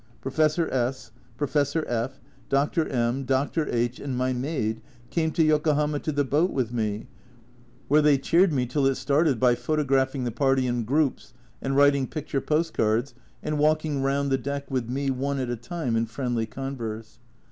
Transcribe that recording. Professor S , Professor F , Dr. M , 264 A Journal from Japan Dr. H , and my maid came to Yokohama to the boat with me, where they cheered me till it started by photographing the party in groups and writing picture post cards, and walking round the deck with me one at a time in friendly converse.